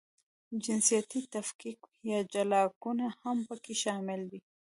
جنسیتي تفکیک یا جلاکونه هم پکې شامل دي.